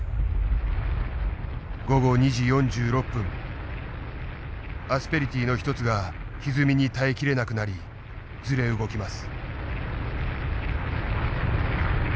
午後２時４６分アスペリティーの一つがひずみに耐えきれなくなりずれ動きます。